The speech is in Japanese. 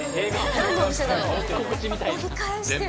なんのお店だろう。